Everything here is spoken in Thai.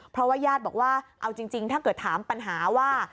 เพราะว่าญาติบอกว่าเอาจริงถ้าเกิดถามปัญหาว่า